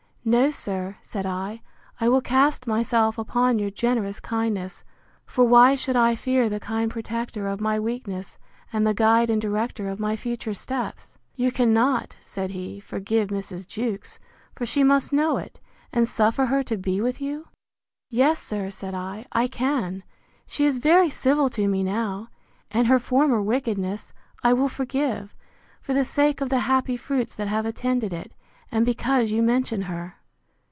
No, sir, said I, I will cast myself upon your generous kindness; for why should I fear the kind protector of my weakness, and the guide and director of my future steps? You cannot, said he, forgive Mrs. Jewkes; for she must know it; and suffer her to be with you? Yes, sir, said I, I can. She is very civil to me now: and her former wickedness I will forgive, for the sake of the happy fruits that have attended it; and because you mention her.